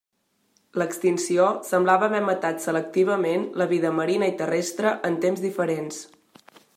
L'extinció semblava haver matat selectivament la vida marina i terrestre en temps diferents.